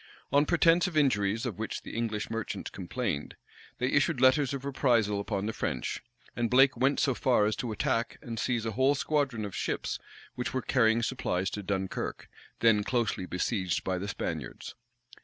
On pretence of injuries of which the English merchants complained, they issued letters of reprisal upon the French; and Blake went so far as to attack and seize a whole squadron of ships which were carrying supplies to Dunkirk, then closely besieged by the Spaniards.